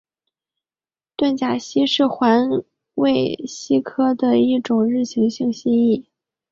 盾甲蜥是环尾蜥科的一种日行性蜥蜴。